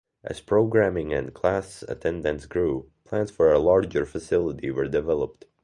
As programming and class attendance grew, plans for a larger facility were developed.